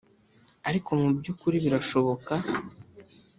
ariko mu by ukuri birashoboka